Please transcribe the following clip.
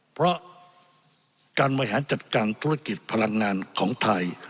เพราะการบริหารจัดการธุรกิจพลังงานของไทย